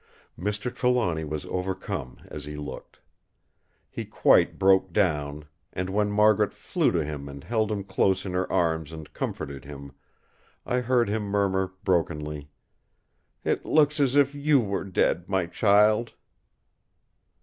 Mr. Trelawny was overcome as he looked. He quite broke down; and when Margaret flew to him and held him close in her arms and comforted him, I heard him murmur brokenly: "It looks as if you were dead, my child!"